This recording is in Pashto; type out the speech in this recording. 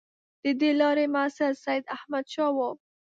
د دې لارې مؤسس سیداحمدشاه وو.